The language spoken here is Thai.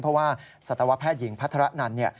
เพราะว่าศตวแพทย์หญิงพัฒนาน